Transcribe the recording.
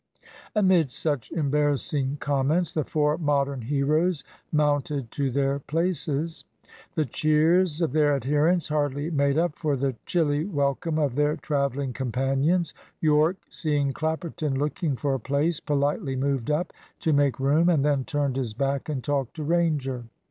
Amid such embarrassing comments, the four Modern heroes mounted to their places. The cheers of their adherents hardly made up for the chilly welcome of their travelling companions. Yorke, seeing Clapperton looking for a place, politely moved up to make room, and then turned his back and talked to Ranger.